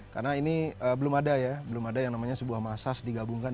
karena ini belum ada ya belum ada yang namanya sebuah massage digabungkan